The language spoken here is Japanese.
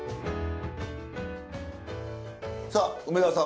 さあ梅沢さん